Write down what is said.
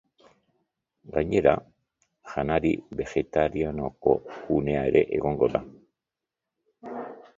Gainera, janari begetarianoko gunea ere egongo da.